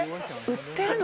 売ってるの？